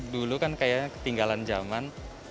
dulu kan kayaknya ketinggalan zaman